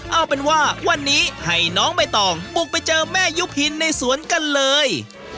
เอาเป็นว่าวันนี้ให้น้องใบตองบุกไปเจอแม่ยุพินในสวนกันเลย